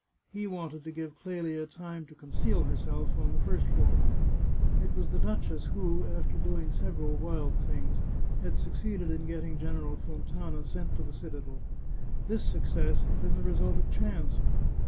He wanted to give Clelia time to con ceal herself on the first floor. It was the duchess who, after doing several wild things, had succeeded in getting General Fontana sent to the citadel. This success had been the result of chance.